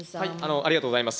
ありがとうございます。